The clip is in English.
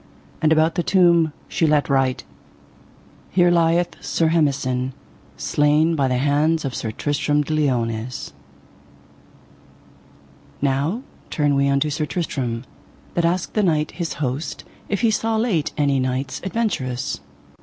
And about the tomb she let write: Here lieth Sir Hemison, slain by the hands of Sir Tristram de Liones. Now turn we unto Sir Tristram, that asked the knight his host if he saw late any knights adventurous.